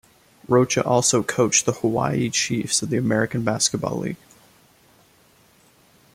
Rocha also coached the Hawaii Chiefs of the American Basketball League.